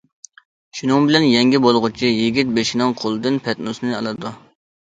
شۇنىڭ بىلەن يەڭگە بولغۇچى يىگىت بېشىنىڭ قولىدىن پەتنۇسنى ئالىدۇ.